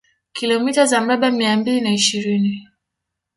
Kilomita za mraba mia mbili na ishirini